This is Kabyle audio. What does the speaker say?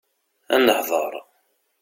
Ad nehḍeṛ.